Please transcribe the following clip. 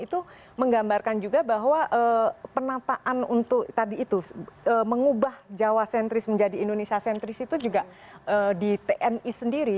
itu menggambarkan juga bahwa penataan untuk tadi itu mengubah jawa sentris menjadi indonesia sentris itu juga di tni sendiri